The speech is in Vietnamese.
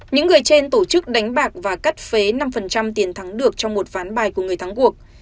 những người trên tổ chức đánh bạc và cắt phế năm tiền thắng được trong một ván bài của người thắng cuộc